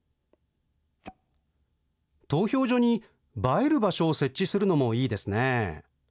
投票所に映える場所を設置するのもいいですね。